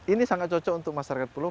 ini sangat cocok untuk masyarakat pulau